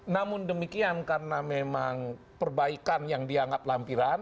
namun demikian karena memang perbaikan yang dianggap lampiran